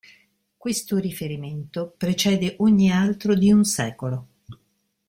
Questo riferimento precede ogni altro di un secolo.